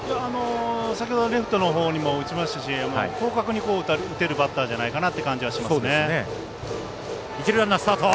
先ほどレフトのほうにも打ちましたし広角に打てるバッターじゃないかなって感じがしますね。